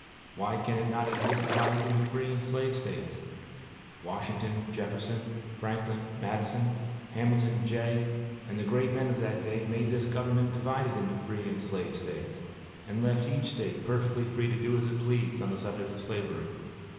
Why can it not exist divided into free and slave States? Washington, Jefferson, Franklin, Madison, Hamilton, Jay, and the great men of that day made this government divided into free States and slave States, and left each State perfectly free to do as it pleased on the subject of slavery.